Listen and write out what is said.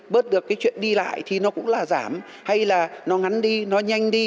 bớt được cái chuyện đi lại thì nó cũng là giảm hay là nó ngắn đi nó nhanh đi